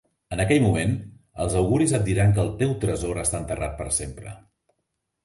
En aquell moment, els auguris et diran que el teu tresor està enterrat per sempre.